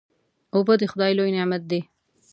اوبه د خدای لوی نعمت دی.